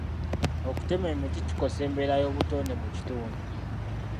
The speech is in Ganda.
Okutema emiti kikosa embeera y'obutonde mu kitundu.